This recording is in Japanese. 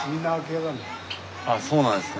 ああそうなんですね。